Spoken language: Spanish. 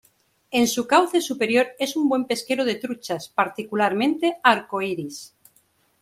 En su cauce superior es un buen pesquero de truchas, particularmente Arco Iris.